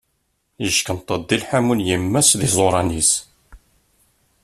Yeckenṭeḍ di lḥammu n yemma-s d yiẓuṛan-is.